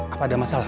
apa ada masalah